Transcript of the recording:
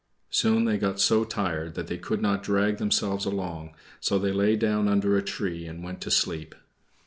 Soon they got so tired that they could not drag themselves along, so they lay down under a tree and went to sleep.